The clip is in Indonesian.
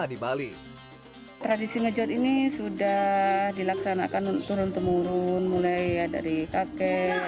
di bali tradisi ngejot ini sudah dilaksanakan turun temurun mulai dari kakek